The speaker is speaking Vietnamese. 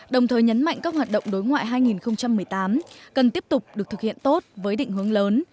đồng thời nhấn mạnh các hoạt động đối ngoại hai nghìn một mươi tám cần tiếp tục được thực hiện tốt với định hướng lớn